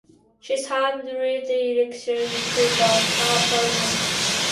She serves as literary executor to both her parents.